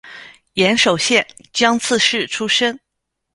岩手县江刺市出身。